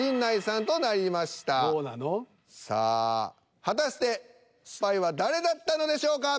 さあ果たしてスパイは誰だったのでしょうか。